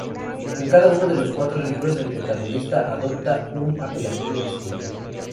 En cada uno de los cuatro libros, el protagonista adopta un apelativo distinto.